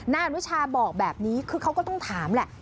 อนุชาบอกแบบนี้คือเขาก็ต้องถามแหละ